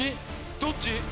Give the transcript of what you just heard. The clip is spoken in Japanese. どっち？